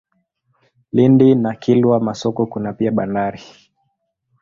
Lindi na Kilwa Masoko kuna pia bandari.